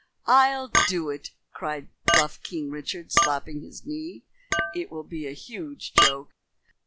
"I'll do it," cried bluff King Richard, slapping his knee. "It will be a huge joke."